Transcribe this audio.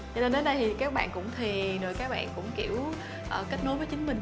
cho nên đến đây thì các bạn cũng thì rồi các bạn cũng kiểu kết nối với chúng mình